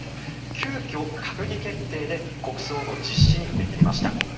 急きょ、閣議決定で国葬の実施に踏み切りました。